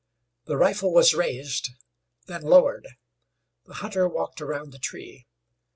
The rifle was raised; then lowered. The hunter walked around the tree.